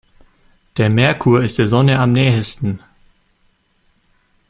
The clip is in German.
Der Merkur ist der Sonne am nähesten.